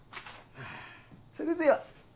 それでは。